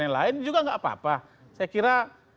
yang lain juga tidak apa apa saya kira